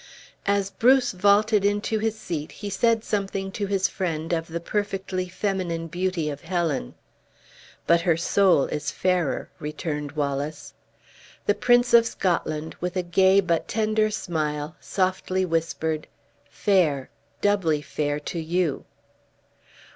As Bruce vaulted into his seat he said something to his friend of the perfectly feminine beauty of Helen. "But her soul is fairer!" returned Wallace. The Prince of Scotland, with a gay but tender smile, softly whispered: "Fair, doubly fair to you!"